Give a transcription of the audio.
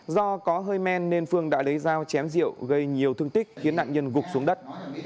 do có hơi men nên phương đã lấy dao chém diệu gây nhiều thương tích khiến nạn nhân gục xuống đất